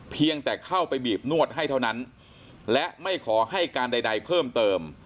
เพียงแต่เข้าไปบีบนวดให้เท่านั้นและไม่ขอให้การใดเพิ่มเติม